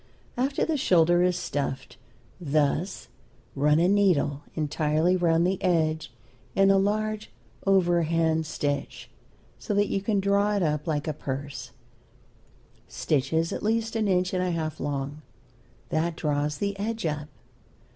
After the shoulder is stuffed thus, run a needle entirely round the edge in a large, over hand stitch, so that you can draw it up like a purse; stitches at least an inch and a half long. That draws the edge up.